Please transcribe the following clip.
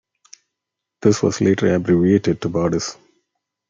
This was later abbreviated to Vardis.